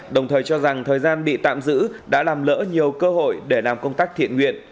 đồng thời cho rằng thời gian bị tạm giữ đã làm lỡ nhiều cơ hội để làm công tác thiện nguyện